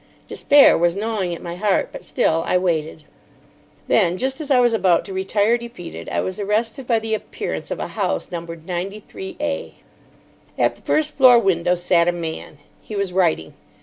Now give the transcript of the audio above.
Despair was gnawing at my heart, but still I waited. Then, just as I was about to retire defeated, I was arrested by the appearance of a house numbered 93A. At the first floor window sat a man. He was writing.